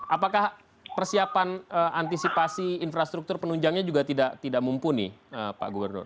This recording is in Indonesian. apakah persiapan antisipasi infrastruktur penunjangnya juga tidak mumpuni pak gubernur